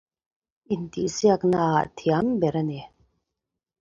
He was one of the best players in the tournament.